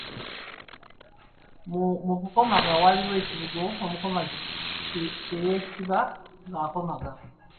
Mu kukomaga waliwo ekibugo omukomazi kye yeesiba ng’akomaga.